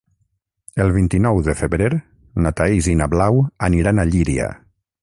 El vint-i-nou de febrer na Thaís i na Blau aniran a Llíria.